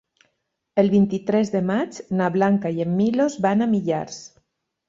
El vint-i-tres de maig na Blanca i en Milos van a Millars.